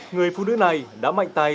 người phụ nữ này đã mạnh tay